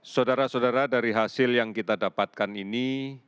saudara saudara dari hasil yang kita dapatkan ini